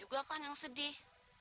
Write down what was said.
engkong mau gak tindas sedih